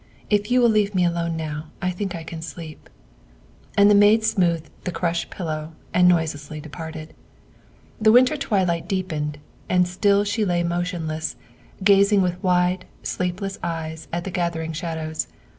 If you will leave me alone now I think I can sleep." And the maid smoothed the crushed pillow and noise lessly departed. The winter twilight deepened, and still she lay motionless, gazing with wide, sleepless eyes at the gath ering shadows.